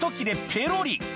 ペロリ